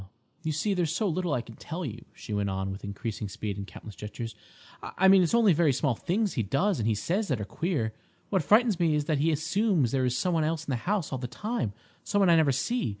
"You see, there's so little I can tell you," she went on, with increasing speed and countless gestures. "I mean it's only very small things he does and says that are queer. What frightens me is that he assumes there is some one else in the house all the time—some one I never see.